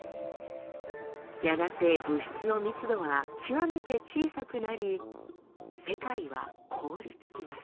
やがて物質の密度は極めて小さくなり世界は凍りつきます。